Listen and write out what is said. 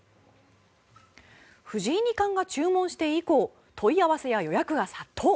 藤井二冠が注文して以降問い合わせや予約が殺到。